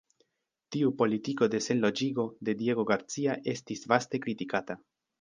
Tiu politiko de Senloĝigo de Diego Garcia estis vaste kritikata.